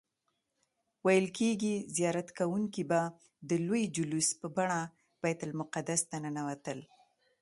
ویل کیږي زیارت کوونکي به د لوی جلوس په بڼه بیت المقدس ته ننوتل.